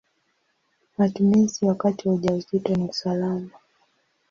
Matumizi wakati wa ujauzito ni salama.